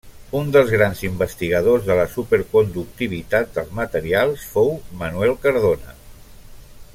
Un dels grans investigadors de la superconductivitat dels materials fou Manuel Cardona.